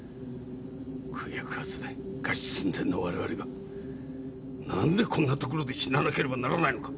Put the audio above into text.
食うや食わずで餓死寸前の我々が何でこんな所で死ななければならないのか！？